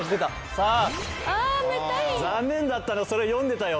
さあ残念だったなそれ読んでたよ。